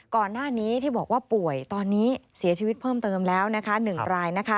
ก่อนหน้านี้ที่บอกว่าป่วยตอนนี้เสียชีวิตเพิ่มเติมแล้วนะคะ๑ราย